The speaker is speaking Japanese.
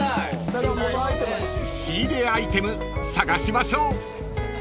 ［仕入れアイテム探しましょう］